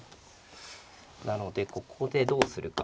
なのでここでどうするか。